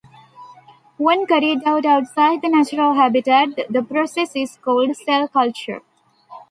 When carried out outside the natural habitat, the process is called cell culture.